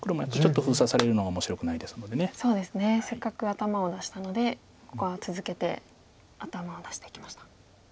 せっかく頭を出したのでここは続けて頭を出していきました。